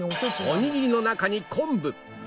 おにぎりの中に昆布